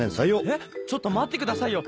えっちょっと待ってくださいよ！